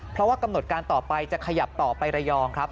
เพราะว่ากำหนดการต่อไปจะขยับต่อไประยองครับ